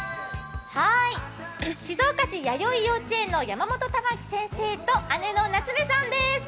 静岡市よやい幼稚園の山本珠暉先生と、姉の夏夢さんです。